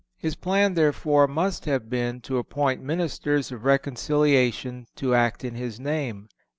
His plan, therefore, must have been to appoint ministers of reconciliation to act in His name.